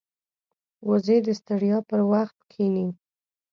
وزې د ستړیا پر وخت کښیني